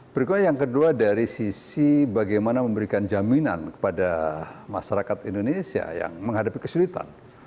berikutnya yang kedua dari sisi bagaimana memberikan jaminan kepada masyarakat indonesia yang menghadapi kesulitan